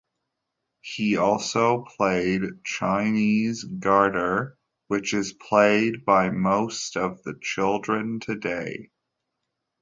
He also played Chinese Garter which is played by most of the children today.